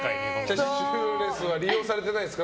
キャッシュレスは利用されてないですか？